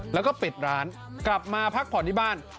แล้วก็ปิดร้านกลับมาพักผ่อนที่บ้าน